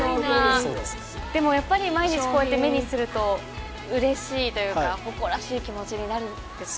でもやっぱり、毎日こうやって目にすると、うれしいというか、誇らしい気持ちになるんですか？